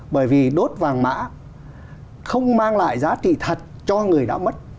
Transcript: bởi vì đốt vàng mã không mang lại giá trị thật cho người đã mất